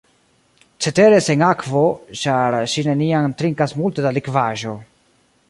Cetere sen akvo, ĉar ŝi neniam trinkas multe da likvaĵo.